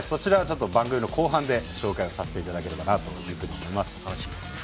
番組の後半で紹介させていただければと思います。